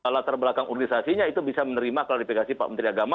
latar belakang organisasinya itu bisa menerima klarifikasi pak menteri agama